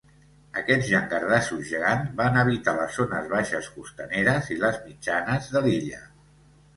Aquests llangardaixos gegants van habitar les zones baixes costaneres i les mitjanes de l'illa.